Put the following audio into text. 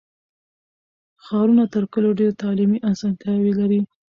ښارونه تر کلیو ډېر تعلیمي اسانتیاوې لري.